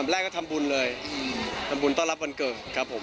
แรกก็ทำบุญเลยทำบุญต้อนรับวันเกิดครับผม